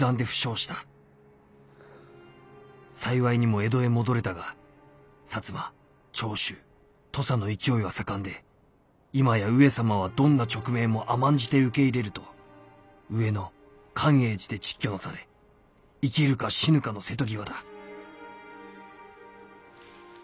幸いにも江戸へ戻れたが摩長州土佐の勢いは盛んで今や上様はどんな勅命も甘んじて受け入れると上野寛永寺で蟄居なされ生きるか死ぬかの瀬戸際だ」。